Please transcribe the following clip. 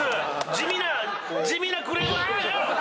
地味な地味なクレームあっ！